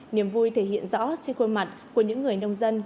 niềm vui thể hiện rõ trên khuôn mặt của những người nông dân